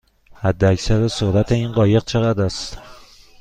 حداکثر سرعت این قایق چقدر است؟